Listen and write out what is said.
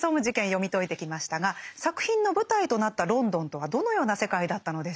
読み解いてきましたが作品の舞台となったロンドンとはどのような世界だったのでしょうか。